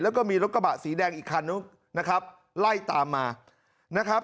แล้วก็มีรถกระบะสีแดงอีกคันนึงนะครับไล่ตามมานะครับ